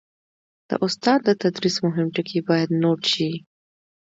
د استاد د تدریس مهم ټکي باید نوټ شي.